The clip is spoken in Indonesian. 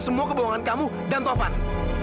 semua kebohongan kamu dan tovan